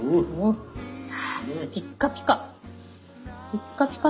ピッカピカ。